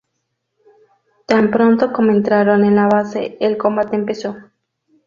Tan pronto como entraron en la base, el combate empezó.